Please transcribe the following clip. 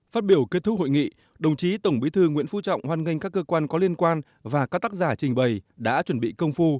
phát biểu kết thúc hội nghị đồng chí tổng bí thư nguyễn phú trọng hoan nghênh các cơ quan có liên quan và các tác giả trình bày đã chuẩn bị công phu